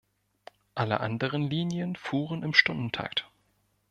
Alle anderen Linien fuhren im Stundentakt.